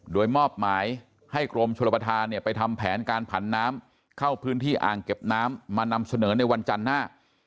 โดยมอบหมายให้กรมชลประธานเนี่ยไปทำแผนการผันน้ำเข้าพื้นที่อ่างเก็บน้ำมานำเสนอในวันจันทร์หน้า